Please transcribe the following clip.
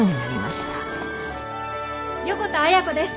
横田綾子です。